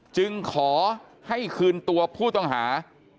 จึงขอให้คืนตัวผู้ต้องหา